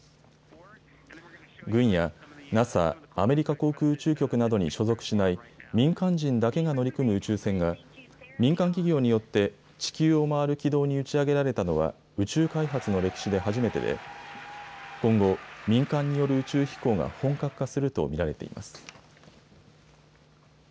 軍やＮＡＳＡ・アメリカ航空宇宙局などに所属しない、民間人だけが乗り組む宇宙船が、民間企業によって地球を回る軌道に打ち上げられたのは、宇宙開発の歴史で初めてで、今後、民間による宇宙飛行が本格化すると見られています。